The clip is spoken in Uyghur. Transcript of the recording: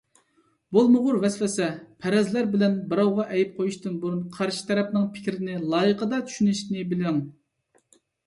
بولمىغۇر ۋەسۋەسە، پەرەزلەر بىلەن بىراۋغا ئەيىب قويۇشتىن بۇرۇن قارشى تەرەپنىڭ پىكرىنى لايىقىدا چۈشىنىشنى بىلىڭ.